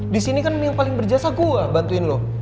disini kan yang paling berjasa gue bantuin lo